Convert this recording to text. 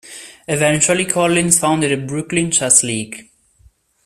Eventually Collins founded the Brooklyn Chess League.